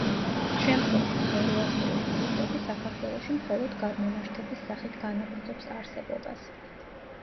შემდგომში ზოროასტრული კულტები საქართველოში მხოლოდ გადმონაშთების სახით განაგრძობს არსებობას.